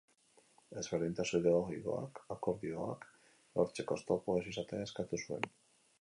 Ezberdintasun ideologikoak akordioak lortzeko oztopo ez izatea eskatu zuen.